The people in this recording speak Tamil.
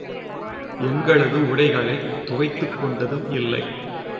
எங்களது உடைகளைத் துவைத்துக் கொண்டதும் இல்லை.